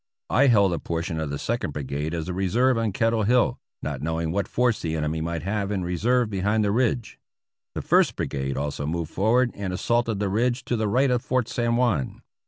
I held a portion of the Second Brigade as a reserve on Kettle Hill, not knowing what force the enemy might have in re serve behind the ridge. The First Brigade also moved for ward and assaulted the ridge to the right of Fort San Juan.